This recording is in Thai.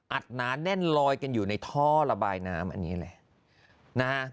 หนาแน่นลอยกันอยู่ในท่อระบายน้ำอันนี้แหละนะฮะ